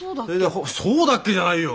そうだっけじゃないよ。